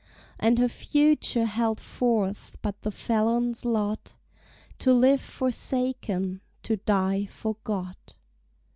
And her future held forth but the felon's lot, To live forsaken, to die forgot!